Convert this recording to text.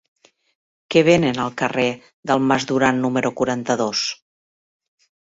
Què venen al carrer del Mas Duran número quaranta-dos?